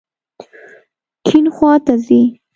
کیڼ خواته ځئ